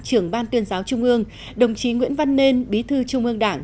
trưởng ban tuyên giáo trung ương đồng chí nguyễn văn nên bí thư trung ương đảng